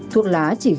thuốc lá điện tử